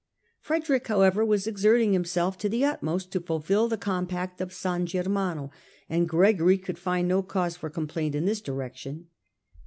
Frederick, however, was exerting himself to the utmost to fulfil the compact of San Germane, and Gregory could find no cause for complaint in this direction.